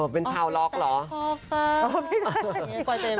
เป็นชาวล็อกเหรอ